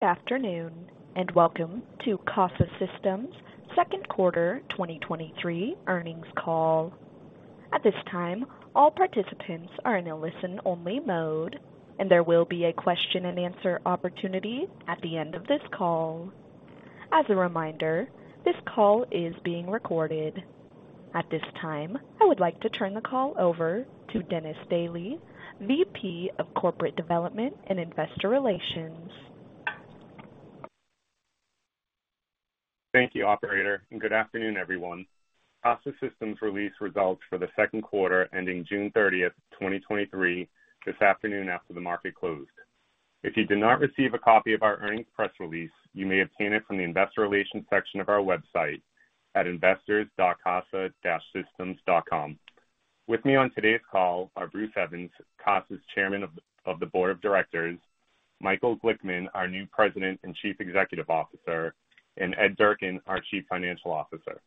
Good afternoon, welcome to Casa Systems' second quarter 2023 earnings call. At this time, all participants are in a listen-only mode, and there will be a question-and-answer opportunity at the end of this call. As a reminder, this call is being recorded. At this time, I would like to turn the call over to Dennis Daly, VP of Corporate Development and Investor Relations. Thank you, operator. Good afternoon, everyone. Casa Systems released results for the second quarter, ending June 30, 2023, this afternoon after the market closed. If you did not receive a copy of our earnings press release, you may obtain it from the investor relations section of our website at investors.casa-systems.com. With me on today's call are Bruce Evans, Casa's Chairman of the Board of Directors; Michael Glickman, our new President and Chief Executive Officer; and Ed Durkin, our Chief Financial Officer.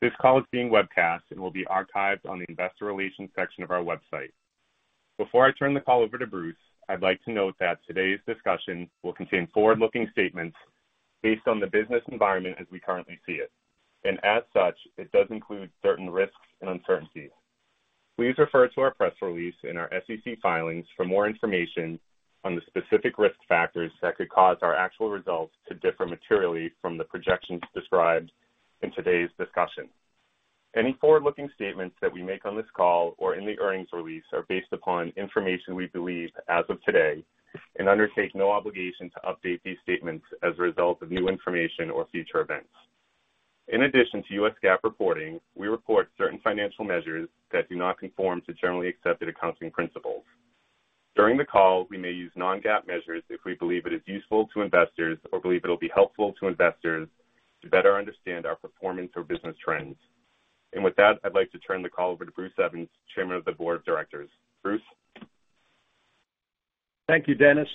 This call is being webcast and will be archived on the investor relations section of our website. Before I turn the call over to Bruce, I'd like to note that today's discussion will contain forward-looking statements based on the business environment as we currently see it. As such, it does include certain risks and uncertainties. Please refer to our press release and our SEC filings for more information on the specific risk factors that could cause our actual results to differ materially from the projections described in today's discussion. Any forward-looking statements that we make on this call or in the earnings release are based upon information we believe as of today and undertake no obligation to update these statements as a result of new information or future events. In addition to U.S. GAAP reporting, we report certain financial measures that do not conform to generally accepted accounting principles. During the call, we may use non-GAAP measures if we believe it is useful to investors or believe it'll be helpful to investors to better understand our performance or business trends. With that, I'd like to turn the call over to Bruce Evans, Chairman of the Board of Directors. Bruce? Thank you, Dennis.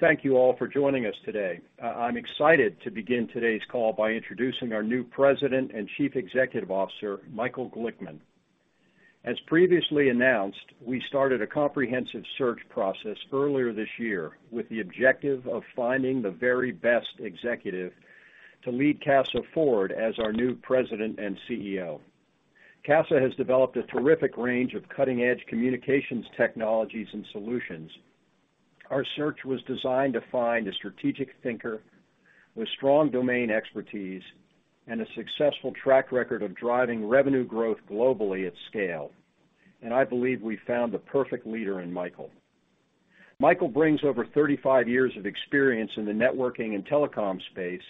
Thank you all for joining us today. I'm excited to begin today's call by introducing our new President and Chief Executive Officer, Michael Glickman. As previously announced, we started a comprehensive search process earlier this year, with the objective of finding the very best executive to lead Casa forward as our new President and CEO. Casa has developed a terrific range of cutting-edge communications technologies and solutions. Our search was designed to find a strategic thinker with strong domain expertise and a successful track record of driving revenue growth globally at scale. I believe we found the perfect leader in Michael. Michael brings over 35 years of experience in the networking and telecom space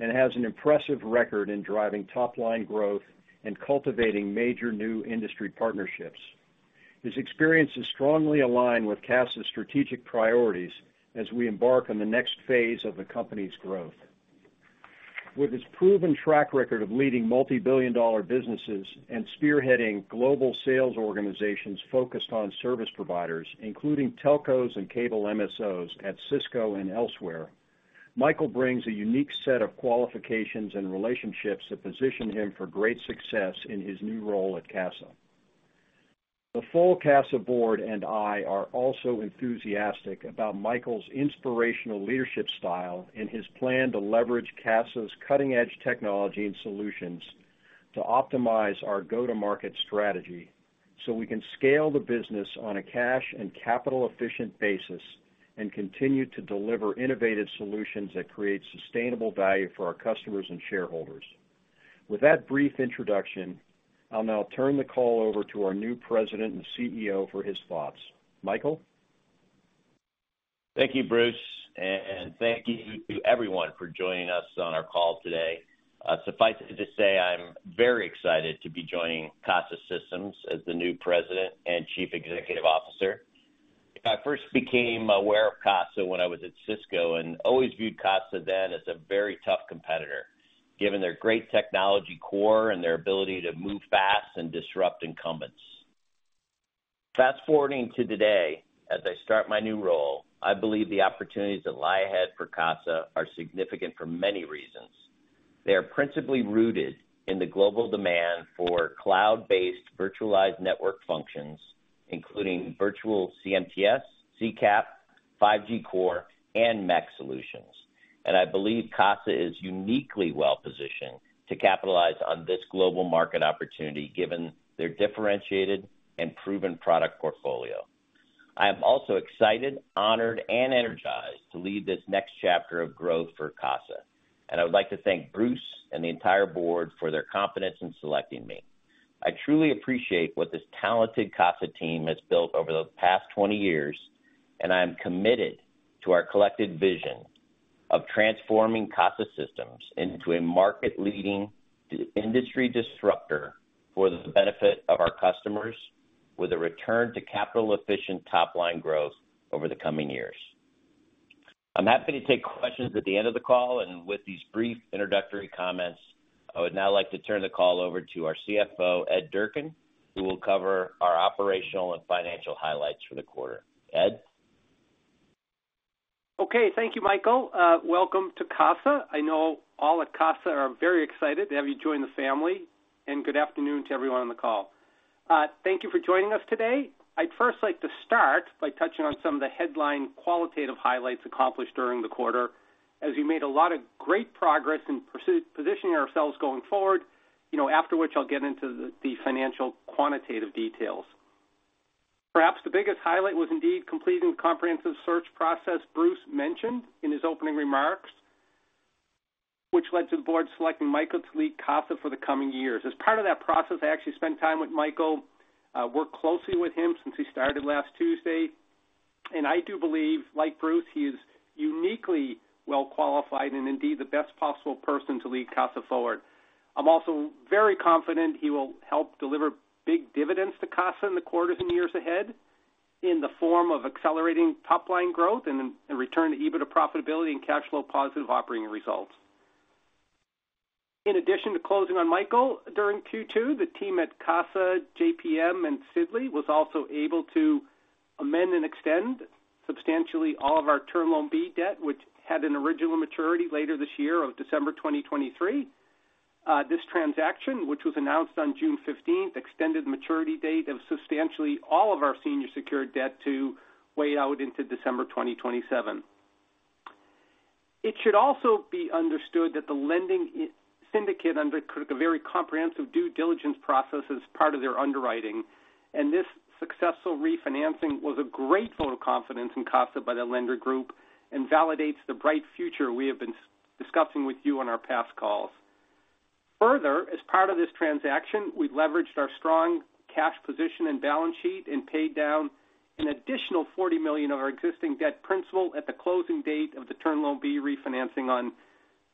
and has an impressive record in driving top-line growth and cultivating major new industry partnerships. His experience is strongly aligned with Casa's strategic priorities as we embark on the next phase of the company's growth. With his proven track record of leading multi-billion dollar businesses and spearheading global sales organizations focused on service providers, including telcos and cable MSOs at Cisco and elsewhere, Michael brings a unique set of qualifications and relationships that position him for great success in his new role at Casa. The full Casa board and I are also enthusiastic about Michael's inspirational leadership style and his plan to leverage Casa's cutting-edge technology and solutions to optimize our go-to-market strategy, so we can scale the business on a cash and capital-efficient basis and continue to deliver innovative solutions that create sustainable value for our customers and shareholders. With that brief introduction, I'll now turn the call over to our new President and CEO for his thoughts. Michael? Thank you, Bruce, and thank you to everyone for joining us on our call today. Suffice it to say, I'm very excited to be joining Casa Systems as the new President and Chief Executive Officer. I first became aware of Casa when I was at Cisco, always viewed Casa then as a very tough competitor, given their great technology core and their ability to move fast and disrupt incumbents. Fast-forwarding to today, as I start my new role, I believe the opportunities that lie ahead for Casa are significant for many reasons. They are principally rooted in the global demand for cloud-based virtualized network functions, including virtual CMTS, CCAP, 5G Core, and MAC solutions. I believe Casa is uniquely well positioned to capitalize on this global market opportunity, given their differentiated and proven product portfolio. I am also excited, honored, and energized to lead this next chapter of growth for Casa. I would like to thank Bruce and the entire board for their confidence in selecting me. I truly appreciate what this talented Casa team has built over the past 20 years. I am committed to our collected vision of transforming Casa Systems into a market-leading industry disruptor for the benefit of our customers, with a return to capital-efficient top-line growth over the coming years. I'm happy to take questions at the end of the call. With these brief introductory comments, I would now like to turn the call over to our CFO, Ed Durkin, who will cover our operational and financial highlights for the quarter. Ed? Okay. Thank you, Michael. Welcome to Casa. I know all at Casa are very excited to have you join the family. Good afternoon to everyone on the call. Thank you for joining us today. I'd first like to start by touching on some of the headline qualitative highlights accomplished during the quarter, as we made a lot of great progress in positioning ourselves going forward, you know, after which I'll get into the, the financial quantitative details. Perhaps the biggest highlight was indeed completing the comprehensive search process Bruce mentioned in his opening remarks, which led to the board selecting Michael to lead Casa for the coming years. As part of that process, I actually spent time with Michael, worked closely with him since he started last Tuesday, and I do believe, like Bruce, he is uniquely well qualified and indeed the best possible person to lead Casa forward. I'm also very confident he will help deliver big dividends to Casa in the quarters and years ahead, in the form of accelerating top line growth and return to EBITDA profitability and cash flow positive operating results. In addition to closing on Michael during Q2, the team at Casa, JPM, and Sidley was also able to amend and extend substantially all of our Term Loan B debt, which had an original maturity later this year of December 2023. This transaction, which was announced on June 15th, extended the maturity date of substantially all of our senior secured debt to way out into December 2027. It should also be understood that the lending syndicate undertook a very comprehensive due diligence process as part of their underwriting. This successful refinancing was a great vote of confidence in Casa by the lender group and validates the bright future we have been discussing with you on our past calls. Further, as part of this transaction, we've leveraged our strong cash position and balance sheet and paid down an additional $40 million of our existing debt principal at the closing date of the Term Loan B refinancing on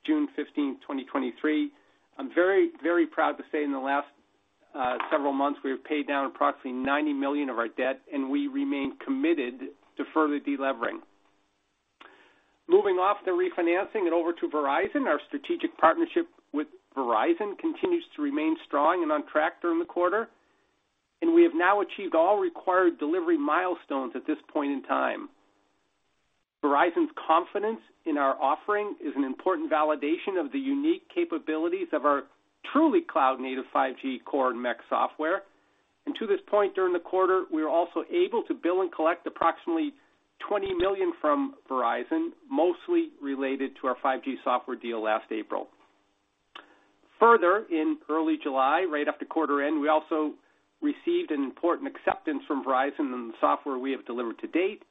June 15th, 2023. I'm very, very proud to say in the last several months, we have paid down approximately $90 million of our debt. We remain committed to further delevering. Moving off the refinancing and over to Verizon, our strategic partnership with Verizon continues to remain strong and on track during the quarter. We have now achieved all required delivery milestones at this point in time. Verizon's confidence in our offering is an important validation of the unique capabilities of our truly cloud-native 5G Core and MEC software. To this point, during the quarter, we were also able to bill and collect approximately $20 million from Verizon, mostly related to our 5G software deal last April. In early July, right after quarter end, we also received an important acceptance from Verizon on the software we have delivered to date.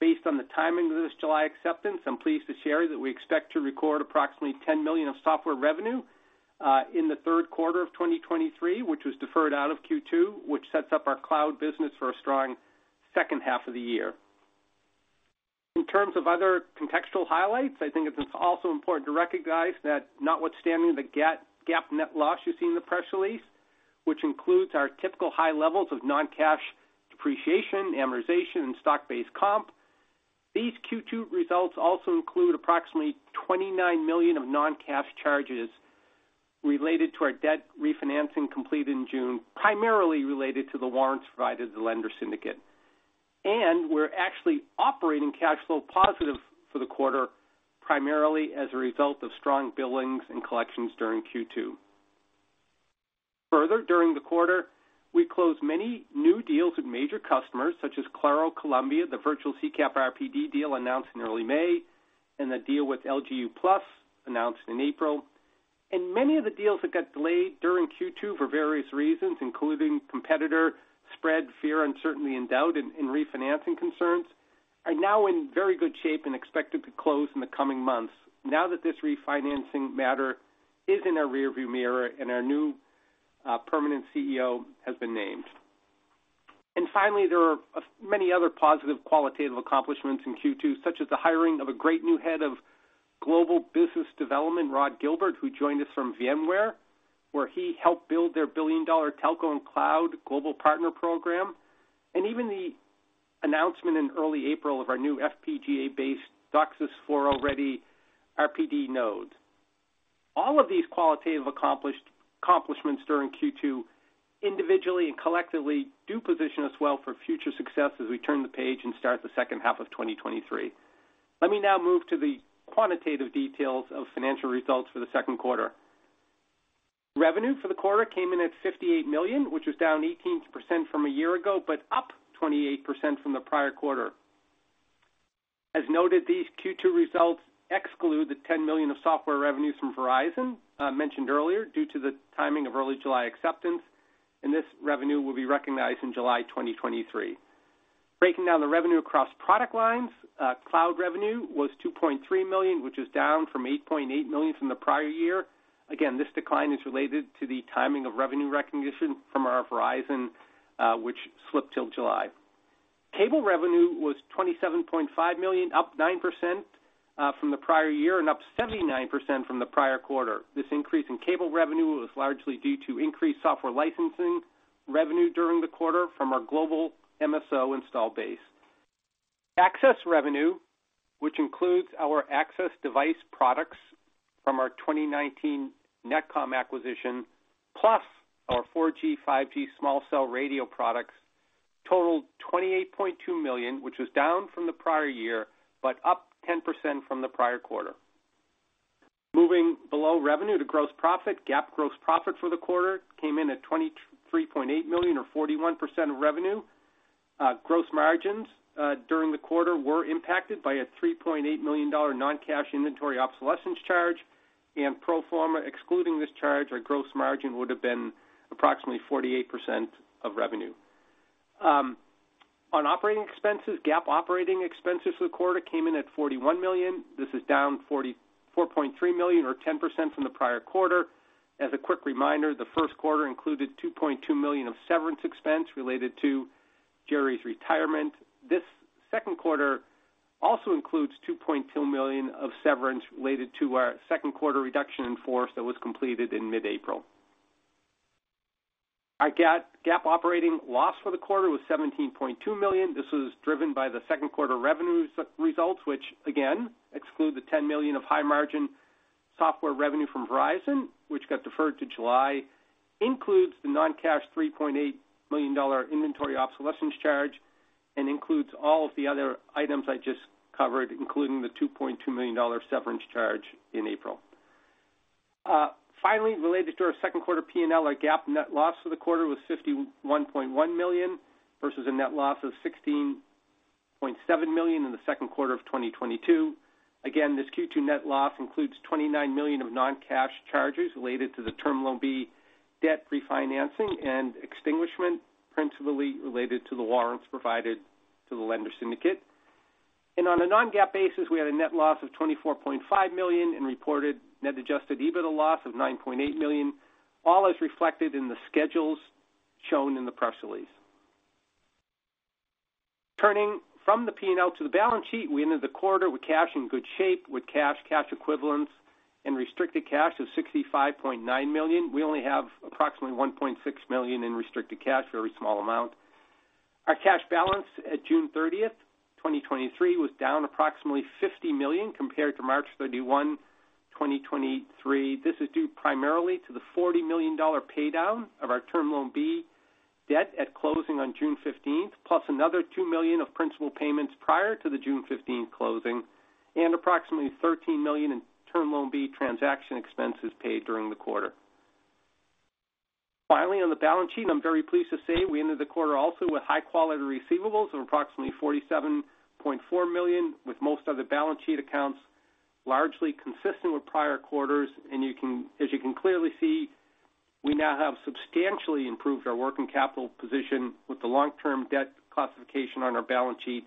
Based on the timing of this July acceptance, I'm pleased to share that we expect to record approximately $10 million of software revenue, in the third quarter of 2023, which was deferred out of Q2, which sets up our cloud business for a strong second half of the year. In terms of other contextual highlights, I think it's also important to recognize that notwithstanding the GAAP net loss you see in the press release, which includes our typical high levels of non-cash depreciation, amortization, and stock-based comp, these Q2 results also include approximately $29 million of non-cash charges related to our debt refinancing completed in June, primarily related to the warrants provided to the lender syndicate. We're actually operating cash flow positive for the quarter, primarily as a result of strong billings and collections during Q2. Further, during the quarter, we closed many new deals with major customers such as Claro Colombia, the virtual CCAP RPD deal announced in early May, and the deal with LG Uplus, announced in April. Many of the deals that got delayed during Q2 for various reasons, including competitor spread, fear, uncertainty, and doubt, and refinancing concerns, are now in very good shape and expected to close in the coming months now that this refinancing matter is in our rearview mirror and our new permanent CEO has been named. Finally, there are many other positive qualitative accomplishments in Q2, such as the hiring of a great new head of Global Business Development, Rod Gilbert, who joined us from VMware, where he helped build their billion-dollar telco and cloud global partner program, and even the announcement in early April of our new FPGA-based DOCSIS 4.0-ready RPD node. All of these qualitative accomplishments during Q2, individually and collectively, do position us well for future success as we turn the page and start the second half of 2023. Let me now move to the quantitative details of financial results for the second quarter. Revenue for the quarter came in at $58 million, which was down 18% from a year ago, but up 28% from the prior quarter. As noted, these Q2 results exclude the $10 million of software revenues from Verizon mentioned earlier, due to the timing of early July acceptance, and this revenue will be recognized in July 2023. Breaking down the revenue across product lines, cloud revenue was $2.3 million, which is down from $8.8 million from the prior year. Again, this decline is related to the timing of revenue recognition from our Verizon, which slipped till July. Cable revenue was $27.5 million, up 9% from the prior year and up 79% from the prior quarter. This increase in cable revenue was largely due to increased software licensing revenue during the quarter from our global MSO install base. Access revenue, which includes our access device products from our 2019 NetComm acquisition, plus our 4G, 5G small cell radio products, totaled $28.2 million, which was down from the prior year, up 10% from the prior quarter. Moving below revenue to gross profit. GAAP gross profit for the quarter came in at $23.8 million, or 41% of revenue. Gross margins during the quarter were impacted by a $3.8 million non-cash inventory obsolescence charge, pro forma, excluding this charge, our gross margin would have been approximately 48% of revenue. On operating expenses, GAAP operating expenses for the quarter came in at $41 million. This is down $44.3 million or 10% from the prior quarter. As a quick reminder, the first quarter included $2.2 million of severance expense related to Jerry's retirement. This second quarter also includes $2.2 million of severance related to our second quarter reduction in force that was completed in mid-April. Our GAAP operating loss for the quarter was $17.2 million. This was driven by the second quarter revenues results, which again exclude the $10 million of high-margin software revenue from Verizon, which got deferred to July, includes the non-cash $3.8 million inventory obsolescence charge, and includes all of the other items I just covered, including the $2.2 million severance charge in April. Finally, related to our second quarter P&L, our GAAP net loss for the quarter was $51.1 million, versus a net loss of $16.7 million in the second quarter of 2022. Again, this Q2 net loss includes $29 million of non-cash charges related to the Term Loan B debt refinancing and extinguishment, principally related to the warrants provided to the lender syndicate. On a non-GAAP basis, we had a net loss of $24.5 million and reported Net Adjusted EBITDA loss of $9.8 million, all as reflected in the schedules shown in the press release. Turning from the P&L to the balance sheet, we ended the quarter with cash in good shape, with cash, cash equivalents, and restricted cash of $65.9 million. We only have approximately $1.6 million in restricted cash, very small amount. Our cash balance at June 30, 2023, was down approximately $50 million compared to March 31, 2023. This is due primarily to the $40 million pay down of our Term Loan B debt at closing on June 15th, plus another $2 million of principal payments prior to the June 15th closing, and approximately $13 million in Term Loan B transaction expenses paid during the quarter. Finally, on the balance sheet, I'm very pleased to say we ended the quarter also with high-quality receivables of approximately $47.4 million, with most other balance sheet accounts largely consistent with prior quarters. As you can clearly see, we now have substantially improved our working capital position with the long-term debt classification on our balance sheet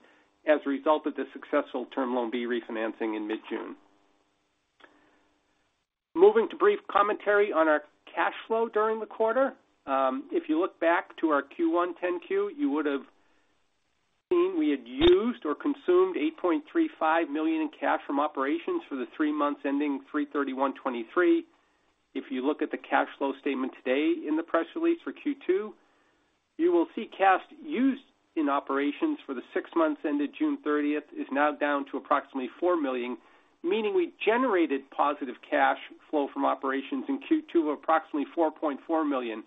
as a result of the successful Term Loan B refinancing in mid-June. Moving to brief commentary on our cash flow during the quarter. If you look back to our Q1 10-Q, you would have seen we had used or consumed $8.35 million in cash from operations for the three months ending March 31, 2023. If you look at the cash flow statement today in the press release for Q2, you will see cash used in operations for the six months ended June 30 is now down to approximately $4 million, meaning we generated positive cash flow from operations in Q2 of approximately $4.4 million,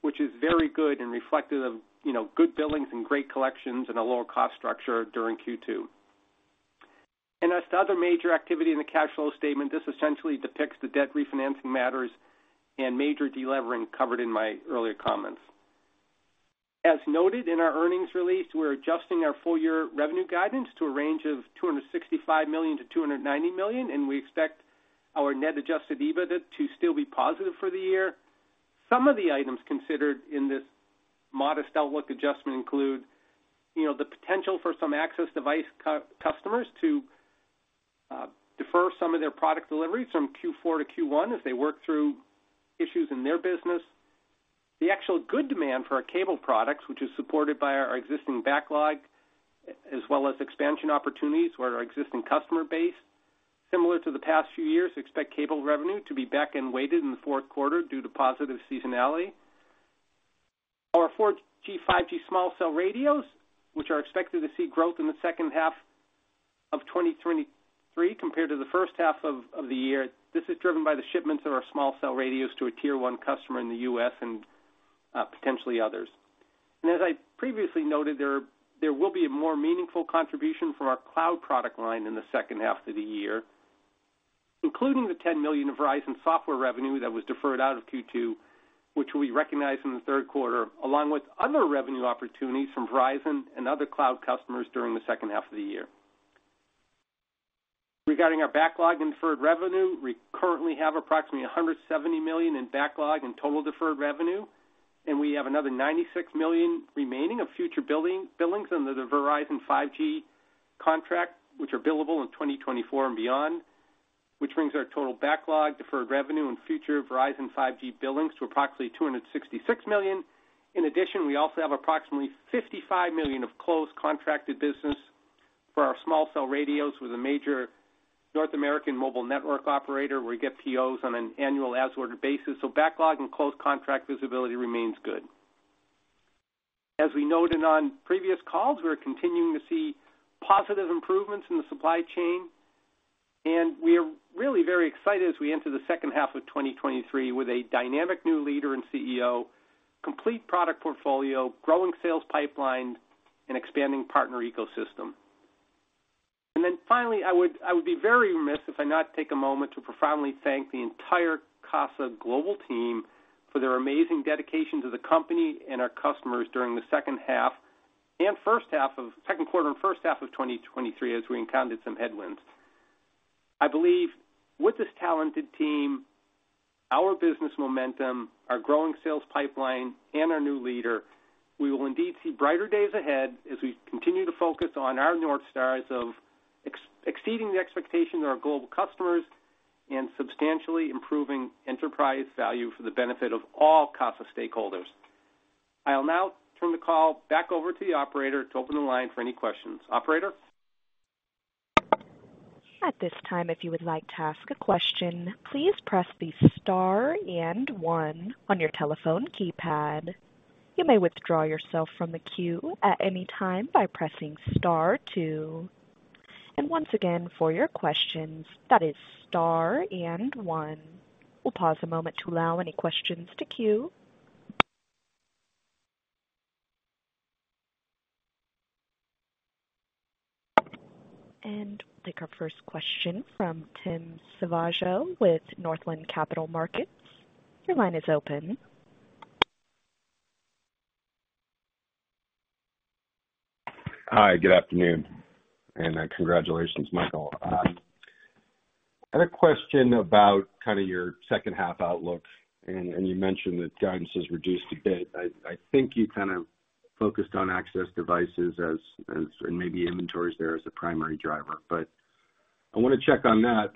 which is very good and reflective of, you know, good billings and great collections and a lower cost structure during Q2. As to other major activity in the cash flow statement, this essentially depicts the debt refinancing matters and major delevering covered in my earlier comments. As noted in our earnings release, we're adjusting our full-year revenue guidance to a range of $265 million-$290 million, and we expect our Net Adjusted EBITDA to still be positive for the year. Some of the items considered in this modest outlook adjustment include, you know, the potential for some access device customers to defer some of their product deliveries from Q4-Q1 as they work through issues in their business. The actual good demand for our cable products, which is supported by our existing backlog, as well as expansion opportunities for our existing customer base. Similar to the past few years, expect cable revenue to be back-end weighted in the fourth quarter due to positive seasonality. Our 4G, 5G small cell radios, which are expected to see growth in the second half of 2023 compared to the first half of the year. This is driven by the shipments of our small cell radios to a Tier 1 customer in the U.S. and potentially others. As I previously noted, there will be a more meaningful contribution from our cloud product line in the second half of the year, including the $10 million of Verizon software revenue that was deferred out of Q2, which we recognize in the third quarter, along with other revenue opportunities from Verizon and other cloud customers during the second half of the year. Regarding our backlog and deferred revenue, we currently have approximately $170 million in backlog and total deferred revenue, and we have another $96 million remaining of future billings under the Verizon 5G contract, which are billable in 2024 and beyond, which brings our total backlog, deferred revenue, and future Verizon 5G billings to approximately $266 million. In addition, we also have approximately $55 million of closed contracted business for our small cell radios with a major North American mobile network operator, where we get POs on an annual as-ordered basis, so backlog and closed contract visibility remains good. As we noted on previous calls, we're continuing to see positive improvements in the supply chain, and we are really very excited as we enter the second half of 2023 with a dynamic new leader and CEO. complete product portfolio, growing sales pipeline, and expanding partner ecosystem. Then finally, I would, I would be very remiss if I not take a moment to profoundly thank the entire Casa global team for their amazing dedication to the company and our customers during the second half and second quarter and first half of 2023, as we encountered some headwinds. I believe with this talented team, our business momentum, our growing sales pipeline, and our new leader, we will indeed see brighter days ahead as we continue to focus on our North Stars of exceeding the expectations of our global customers and substantially improving enterprise value for the benefit of all Casa stakeholders. I'll now turn the call back over to the operator to open the line for any questions. Operator? At this time, if you would like to ask a question, please press the star and one on your telephone keypad. You may withdraw yourself from the queue at any time by pressing star two. Once again, for your questions, that is star and one. We'll pause a moment to allow any questions to queue. Take our first question from Tim Savageaux with Northland Capital Markets. Your line is open. Hi, good afternoon. Congratulations, Michael. I had a question about kind of your second half outlook, and you mentioned that guidance has reduced a bit. I think you kind of focused on access devices as and maybe inventories there as the primary driver, but I want to check on that.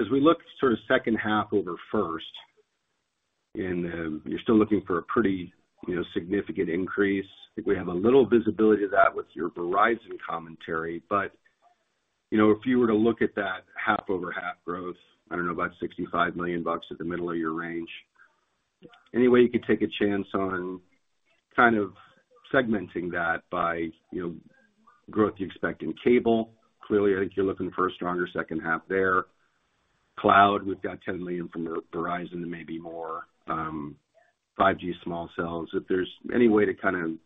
As we look sort of second half over first, and you're still looking for a pretty, you know, significant increase, I think we have a little visibility to that with your Verizon commentary. You know, if you were to look at that half-over-half growth, I don't know, about $65 million at the middle of your range, any way you could take a chance on kind of segmenting that by, you know, growth you expect in cable. Clearly, I think you're looking for a stronger second half there. Cloud, we've got $10 million from the Verizon and maybe more 5G small cells. If there's any way to kinda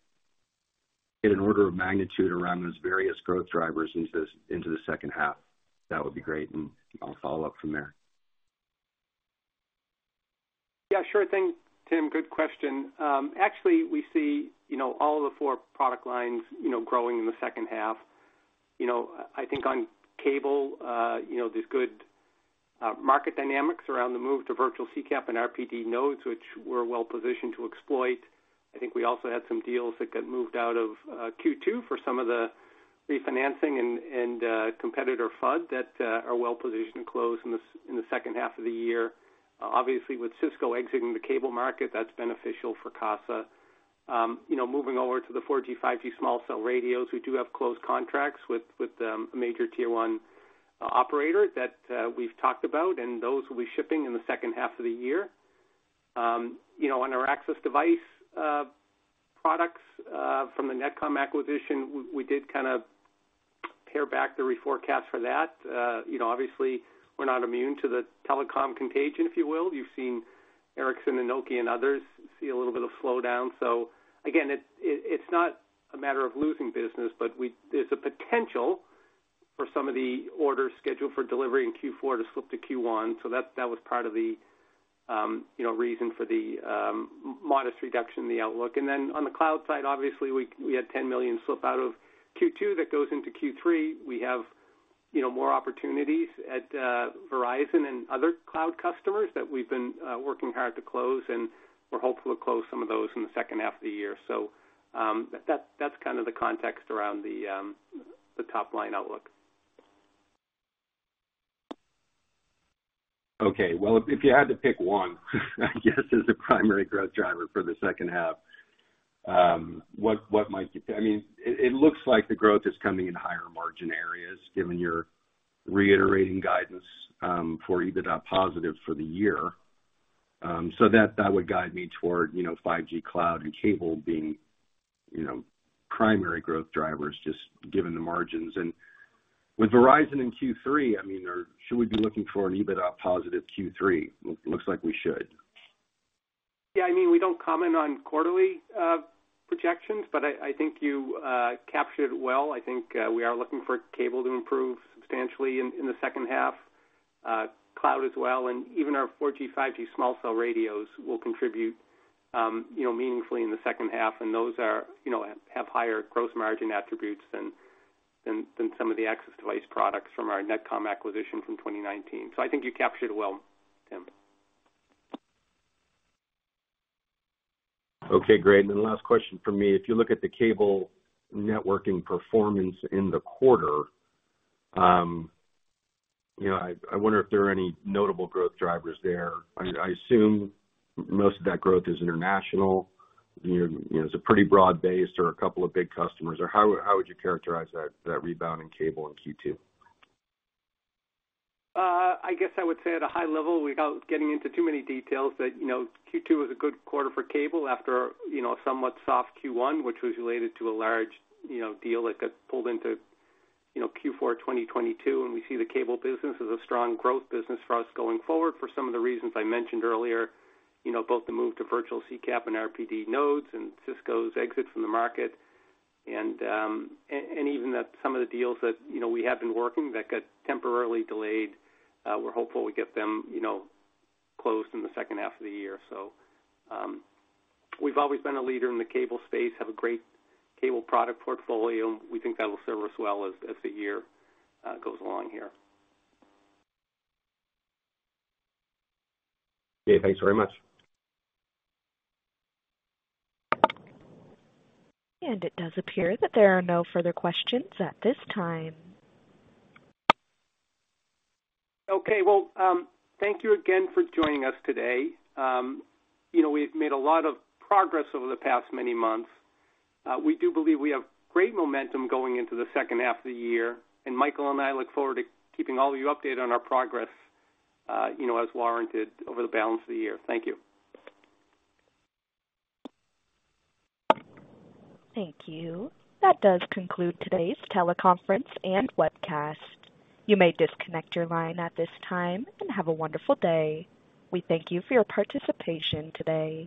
get an order of magnitude around those various growth drivers into the second half, that would be great, and I'll follow up from there. Yeah, sure thing, Tim. Good question. Actually, we see, you know, all the four product lines, you know, growing in the second half. You know, I think on cable, you know, there's good market dynamics around the move to virtual CCAP and RPD nodes, which we're well positioned to exploit. I think we also had some deals that got moved out of Q2 for some of the refinancing and competitor FUD that are well positioned to close in the second half of the year. Obviously, with Cisco exiting the cable market, that's beneficial for Casa. You know, moving over to the 4G, 5G small cell radios, we do have close contracts with a major Tier 1 operator that we've talked about, and those will be shipping in the second half of the year. You know, on our access device products from the NetComm acquisition, we did kinda pare back the reforecast for that. You know, obviously, we're not immune to the telecom contagion, if you will. You've seen Ericsson and Nokia and others see a little bit of slowdown. Again, it's not a matter of losing business, but there's a potential for some of the orders scheduled for delivery in Q4 to slip to Q1, so that was part of the, you know, reason for the modest reduction in the outlook. Then on the cloud side, obviously, we had $10 million slip out of Q2 that goes into Q3. We have, you know, more opportunities at Verizon and other cloud customers that we've been working hard to close, and we're hopeful to close some of those in the second half of the year. That's kind of the context around the top-line outlook. Okay. Well, if you had to pick one, I guess, as the primary growth driver for the second half, what, what might be? I mean, it, it looks like the growth is coming in higher margin areas, given you're reiterating guidance for EBITDA positive for the year. That, that would guide me toward, you know, 5G cloud and cable being, you know, primary growth drivers, just given the margins. With Verizon in Q3, I mean, or should we be looking for an EBITDA positive Q3? Looks like we should. Yeah, I mean, we don't comment on quarterly projections, but I think you captured it well. I think we are looking for cable to improve substantially in the second half, cloud as well, and even our 4G, 5G small cell radios will contribute, you know, meaningfully in the second half. Those are, you know, have higher gross margin attributes than some of the access device products from our NetComm acquisition from 2019. I think you captured it well, Tim. Okay, great. Then the last question from me. If you look at the cable networking performance in the quarter, you know, I wonder if there are any notable growth drivers there. I assume most of that growth is international. You know, it's a pretty broad base or a couple of big customers, or how would you characterize that rebound in cable in Q2? I guess I would say at a high level, without getting into too many details, that, you know, Q2 was a good quarter for cable after, you know, a somewhat soft Q1, which was related to a large, you know, deal that got pulled into, you know, Q4 2022. We see the cable business as a strong growth business for us going forward for some of the reasons I mentioned earlier, you know, both the move to virtual CCAP and RPD nodes and Cisco's exit from the market. Even that some of the deals that, you know, we have been working, that got temporarily delayed, we're hopeful we get them, you know, closed in the second half of the year. We've always been a leader in the cable space, have a great cable product portfolio. We think that will serve us well as, as the year goes along here. Okay, thanks very much. It does appear that there are no further questions at this time. Okay. Well, thank you again for joining us today. You know, we've made a lot of progress over the past many months. We do believe we have great momentum going into the second half of the year, and Michael and I look forward to keeping all of you updated on our progress, you know, as warranted over the balance of the year. Thank you. Thank you. That does conclude today's teleconference and webcast. You may disconnect your line at this time and have a wonderful day. We thank you for your participation today.